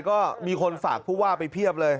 ก็มีคนฝากผู้ว่าไปเพียบเลย